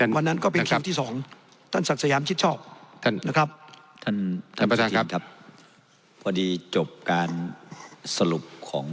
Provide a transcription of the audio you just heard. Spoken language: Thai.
วันนั้นก็เป็นคิวที่สอง